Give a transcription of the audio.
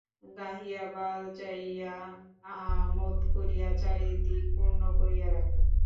গাহিয়া বাজাইয়া, আমােদ করিয়া চারিদিক পূর্ণ করিয়া রাখেন।